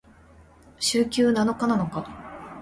週休七日なのか？